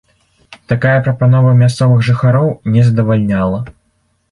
Такая прапанова мясцовых жыхароў не задавальняла.